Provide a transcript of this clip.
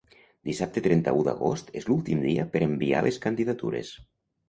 Dissabte trenta-u d’agost és l’últim dia per enviar les candidatures.